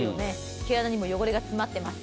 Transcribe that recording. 毛穴にも汚れが詰まっています。